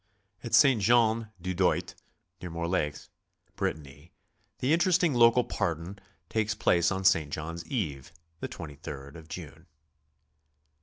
At St. Jean du Doigt, near Morlaix, Brittany, the interesting local Pardon takes place on St. John s Eve, the 23rd of June.